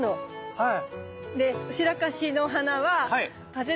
はい。